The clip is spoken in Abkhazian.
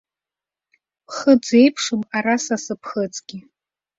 Ԥхыӡ еиԥшым ара са сыԥхыӡгьы.